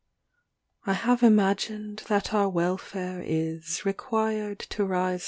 XXXVIII I have imagined that our welfare is Required to rise